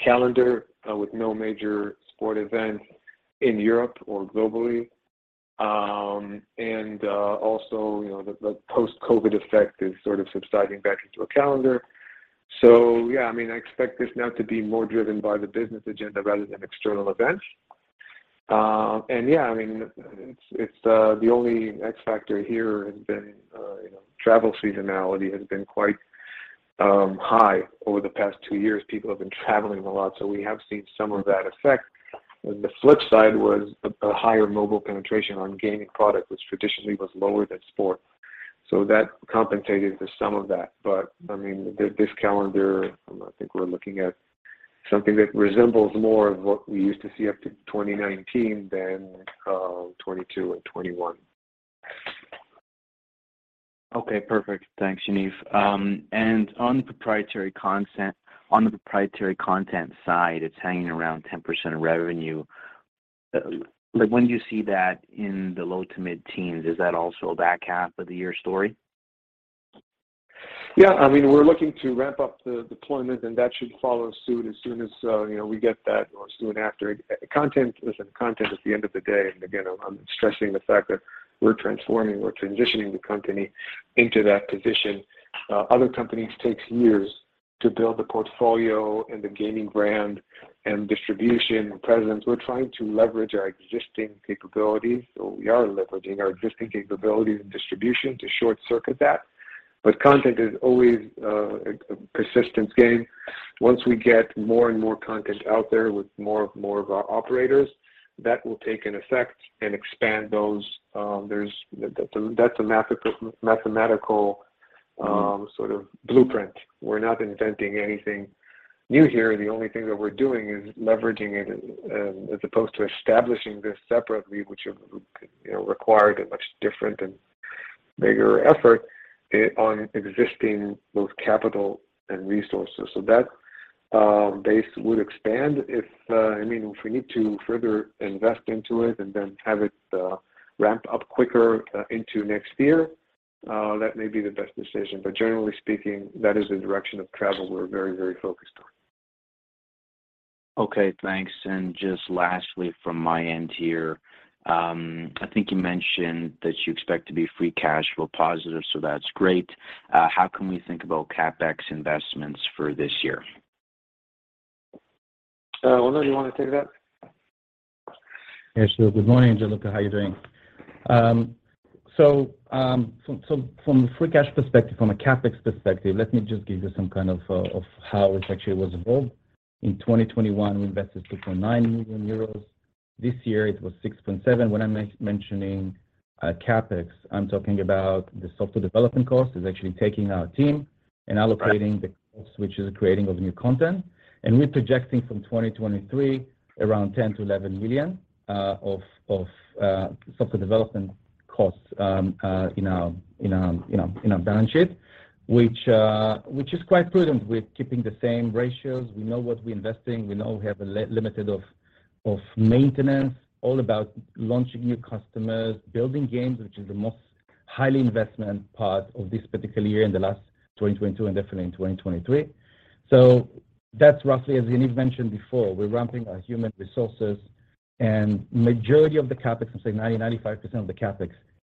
Speaker 3: calendar with no major sport events in Europe or globally. Also, you know, the post-COVID effect is sort of subsiding back into a calendar. Yeah, I mean, I expect this now to be more driven by the business agenda rather than external events. Yeah, I mean, it's the only X factor here has been, you know, travel seasonality has been quite high over the past 2 years. People have been traveling a lot, so we have seen some of that effect. On the flip side was a higher mobile penetration on gaming product, which traditionally was lower than sport. That compensated for some of that. I mean, this calendar, I think we're looking at something that resembles more of what we used to see up to 2019 than 2022 and 2021.
Speaker 11: Okay, perfect. Thanks, Yaniv. On the proprietary content side, it's hanging around 10% of revenue. Like, when do you see that in the low to mid-teens? Is that also a back half of the year story?
Speaker 3: Yeah. I mean, we're looking to ramp up the deployment, and that should follow suit as soon as, you know, we get that or soon after. Content, listen, content at the end of the day, and again, I'm stressing the fact that we're transforming, we're transitioning the company into that position. Other companies takes years to build a portfolio and a gaming brand and distribution presence. We're trying to leverage our existing capabilities, or we are leveraging our existing capabilities and distribution to short-circuit that. Content is always a persistence game. Once we get more and more content out there with more of our operators, that will take an effect and expand those. That's a mathematical sort of blueprint. We're not inventing anything new here. The only thing that we're doing is leveraging it and as opposed to establishing this separately, which, you know, required a much different and bigger effort on existing both capital and resources. That base would expand if, I mean, if we need to further invest into it and then have it ramp up quicker into next year, that may be the best decision. Generally speaking, that is the direction of travel we're very, very focused on.
Speaker 11: Okay, thanks. Just lastly from my end here, I think you mentioned that you expect to be free cash flow positive, so that's great. How can we think about CapEx investments for this year?
Speaker 3: Ronen, you wanna take that?
Speaker 4: Yeah, sure. Good morning, Gianluca. How are you doing? From a free cash perspective, from a CapEx perspective, let me just give you some kind of how it actually was involved. In 2021, we invested 2.9 million euros. This year, it was 6.7 million. When I'm mentioning CapEx, I'm talking about the software development cost is actually taking our team and allocating-
Speaker 11: Right.
Speaker 4: the costs, which is creating of new content. We're projecting from 2023, around 10 million-11 million of software development costs in our balance sheet, which is quite prudent. We're keeping the same ratios. We know what we invest in. We know we have a limited of maintenance, all about launching new customers, building games, which is the most highly investment part of this particular year in the last 2022 and definitely in 2023. That's roughly, as Yaniv mentioned before, we're ramping our human resources and majority of the CapEx, I'd say 90%-95% of the CapEx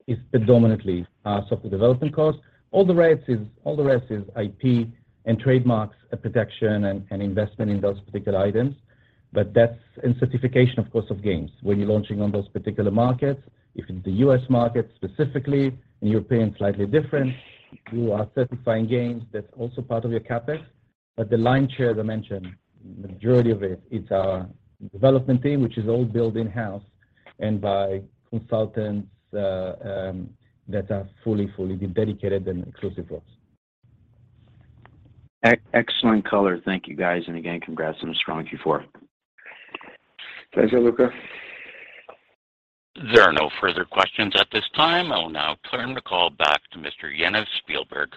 Speaker 4: is predominantly our software development cost. All the rest is IP and trademarks protection and investment in those particular items. That's in certification, of course, of games. When you're launching on those particular markets, if it's the U.S. market specifically, in European, slightly different, you are certifying games, that's also part of your CapEx. The lion's share, as I mentioned, majority of it's our development team, which is all built in-house and by consultants that are fully dedicated and exclusive to us.
Speaker 11: Excellent color. Thank you, guys. Again, congrats on a strong Q4.
Speaker 3: Thanks, Gianluca.
Speaker 1: There are no further questions at this time. I'll now turn the call back to Mr. Yaniv Spielberg.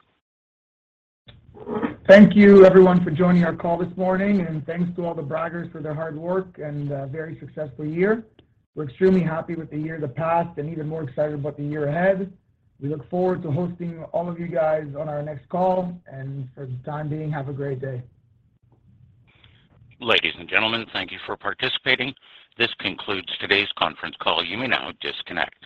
Speaker 2: Thank you, everyone, for joining our call this morning, and thanks to all the Braggers for their hard work and a very successful year. We're extremely happy with the year that passed and even more excited about the year ahead. We look forward to hosting all of you guys on our next call. For the time being, have a great day.
Speaker 1: Ladies and gentlemen, thank you for participating. This concludes today's conference call. You may now disconnect.